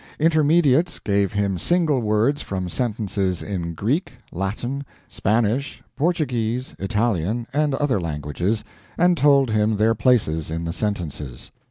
Intermediates gave him single words from sentences in Greek, Latin, Spanish, Portuguese, Italian, and other languages, and told him their places in the sentences.